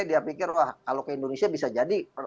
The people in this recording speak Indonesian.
dia pikir wah kalau ke indonesia bisa jadi